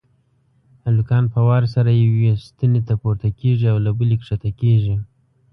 هلکان په وار سره یوې ستنې ته پورته کېږي او له بلې کښته کېږي.